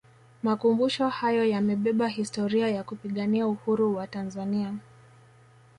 makumbusho hayo yamebeba historia ya kupigania Uhuru wa tanzania